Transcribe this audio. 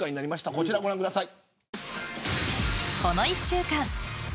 こちらをご覧ください。